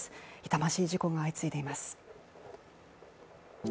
痛ましい事故が相次いでいます。